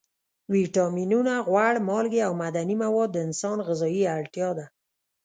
ویټامینونه، غوړ، مالګې او معدني مواد د انسان غذایي اړتیا ده.